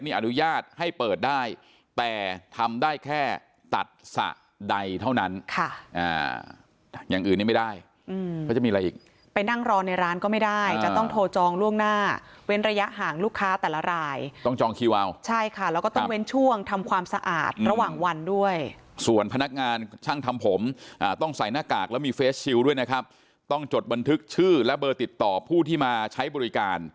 นี้อนุญาตให้เปิดได้แต่ทำได้แค่ตัดหรือสระใดเท่านั้นครับอย่างอื่นไม่ได้